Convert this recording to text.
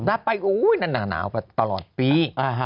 น่าไปอุ้ยหนาวตลอดปี